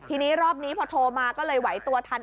ทีนี้รอบนี้พอโทรมาก็เลยไหวตัวทัน